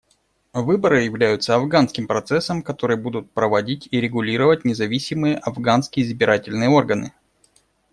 Выборы являются афганским процессом, который будут проводить и регулировать независимые афганские избирательные органы.